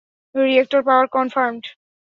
Reactor power confirmed.